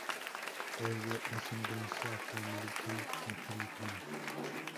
Es de ascendencia afroamericana y filipina.